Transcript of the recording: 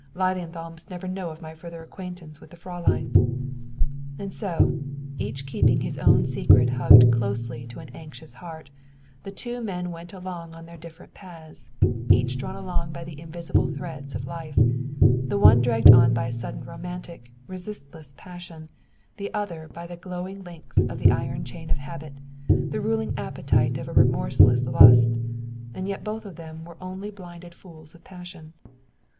"Lilienthal must never know of my further acquaintance with the Fräulein." And so, each keeping his own secret hugged closely to an anxious heart, the two men went along on their different paths, each drawn along by the invisible threads of life the one dragged on by a sudden romantic, resistless passion, the other by the glowing links of the iron chains of habit, the ruling appetite of a remorseless lust. And yet both of them were only blinded fools of passion.